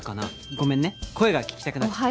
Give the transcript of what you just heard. ごめんね声が聞きたくなっちゃった」。